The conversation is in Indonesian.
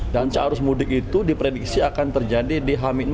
dan caur arus mudik itu diprediksi akan terjadi di hami empat